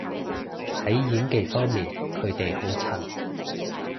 喺演技方面佢哋好襯